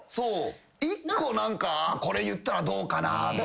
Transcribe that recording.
一個何かこれ言ったらどうかなとか。